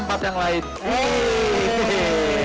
wah luar biasa